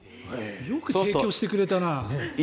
よく提供してくれたな。